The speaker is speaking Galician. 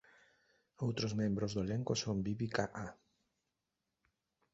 Outros membros do elenco son Vivica A.